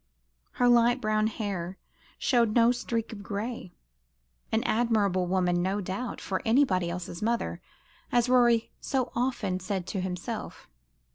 Her light brown hair showed no streak of gray. An admirable woman, no doubt, for anybody else's mother, as Rorie so often said to himself.